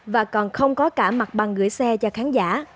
và còn không có cả mặt bằng gửi xe cho khán giả